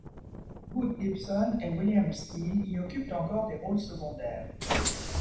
Hoot Gibson et William Steele y occupent encore des rôles secondaires.